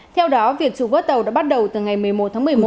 theo đó việc trục vớt tàu đã bắt đầu từ ngày một mươi một tháng một mươi một